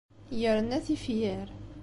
Yerna tifyar.